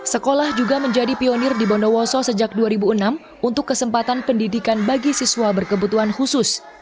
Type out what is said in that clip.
sekolah juga menjadi pionir di bondowoso sejak dua ribu enam untuk kesempatan pendidikan bagi siswa berkebutuhan khusus